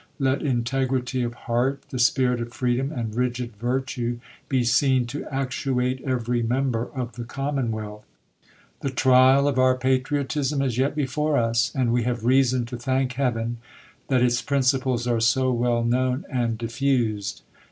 Let integrity of heart, the^spirit of freedom, and rigid virtue be seen to actuate every member of the commonwealth. The trial of our patriotism is yet before us ; and we have reason to thank iieaven, that its principles are so well known and diflused.